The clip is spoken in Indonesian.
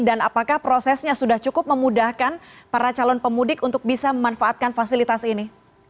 dan apakah prosesnya sudah cukup memudahkan para calon pemudik untuk bisa memanfaatkan fasilitas ini